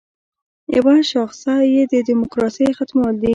یوه شاخصه یې د دیموکراسۍ ختمول دي.